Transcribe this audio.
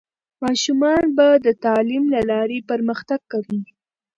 ماشومان به د تعلیم له لارې پرمختګ کوي.